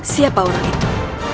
siapa orang itu